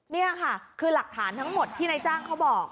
นี่ค่ะคือหลักฐานทั้งหมดที่นายจ้างเขาบอก